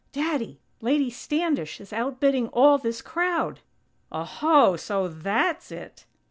"Daddy! Lady Standish is outbidding all this crowd!" "Oho! So that's it!"